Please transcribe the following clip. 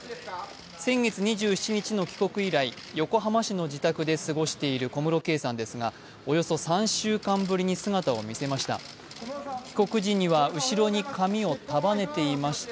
先月２７日の帰国以来、横浜市の自宅で過ごしている小室圭さんですがおよそ３週間ぶりに姿を見せました。